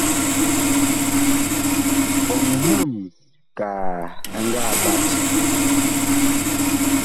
Ɓoŋ mam kaa ɛ ngaa ɓat.